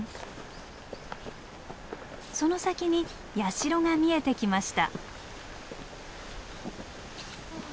その先に社が見えてきました。